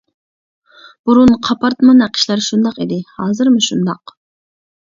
بۇرۇن قاپارتما نەقىشلەر شۇنداق ئىدى، ھازىرمۇ شۇنداق.